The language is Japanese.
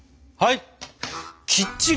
はい。